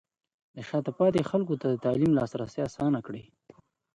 د شاته پاتې خلکو ته د تعلیم لاسرسی اسانه کړئ.